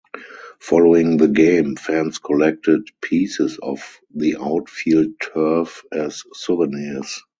Following the game, fans collected pieces of the outfield turf as souvenirs.